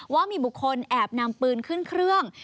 ว่ามีบุคคลแอบนำปืนขึ้นเครื่อง